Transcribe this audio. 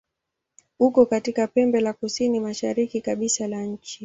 Uko katika pembe la kusini-mashariki kabisa la nchi.